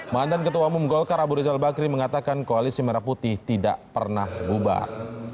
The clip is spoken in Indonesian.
mantan ketua umum golkar abu rizal bakri mengatakan koalisi merah putih tidak pernah bubar